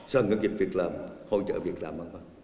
so với những dịch việc làm hỗ trợ việc làm